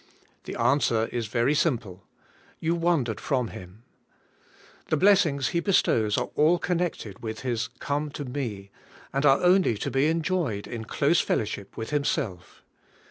The answer is very simple. You wandered from Him. The blessings He bestows are all connected with His 'Come to me,' and are only to be enjoyed in close fellowship with Himself.